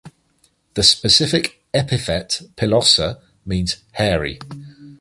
The specific epithet ("pilosa") means "hairy".